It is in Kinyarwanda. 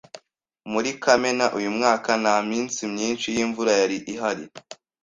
Muri Kamena uyu mwaka, nta minsi myinshi yimvura yari ihari.